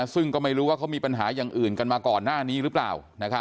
ซึ่งก็ไม่รู้ว่าเขามีปัญหาอย่างอื่นกันมาก่อนหน้านี้หรือเปล่า